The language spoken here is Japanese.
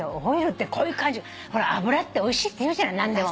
あぶらっておいしいっていうじゃん何でも。